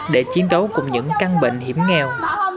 để chiến đấu cùng những căn bệnh hiểm nghèo